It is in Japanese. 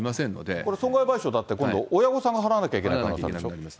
これは損害賠償だって今度、親御さんが払わなきゃいけないんでしょ？